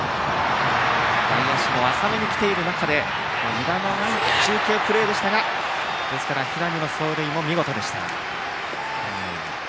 外野手も浅めに来ている中でむだのない中継プレーでしたが平見の走塁も見事でした。